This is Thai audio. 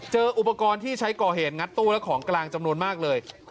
อุปกรณ์ที่ใช้ก่อเหตุงัดตู้และของกลางจำนวนมากเลย